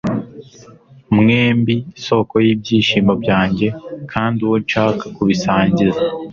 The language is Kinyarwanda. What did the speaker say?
Mwembi, soko y'ibyishimo byanjye kandi uwo nshaka kubisangiza